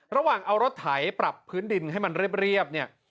ระหว่างเอารถไถปรับพื้นดินให้มันเรียบเนี่ย